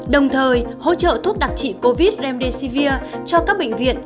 đồng thời hỗ trợ thuốc đặc trị covid remdesivir cho các bệnh viện